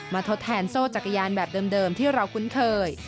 ทดแทนโซ่จักรยานแบบเดิมที่เราคุ้นเคย